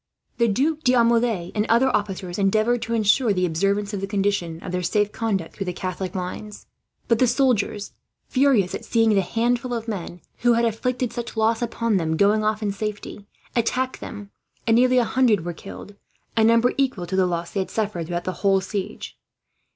The Duc d'Aumale, and other officers, endeavoured to ensure the observance of the condition of their safe conduct through the Catholic lines; but the soldiers, furious at seeing the handful of men who had inflicted such loss upon them going off in safety, attacked them, and nearly a hundred were killed a number equal to the loss they had suffered throughout the whole siege.